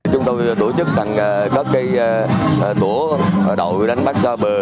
chúng tôi tổ chức thành các cây tố đậu đánh bắt xa bờ